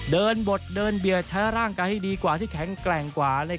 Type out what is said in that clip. บดเดินเบียดใช้ร่างกายให้ดีกว่าที่แข็งแกร่งกว่า